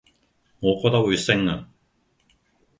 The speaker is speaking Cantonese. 我覺得會升呀